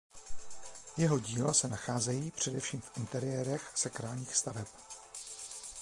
Jeho díla se nacházejí především v interiérech sakrálních staveb.